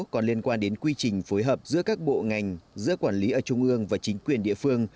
có liên quan đến quy trình phối hợp giữa các bộ ngành giữa quản lý ở trung ương và chính quyền địa phương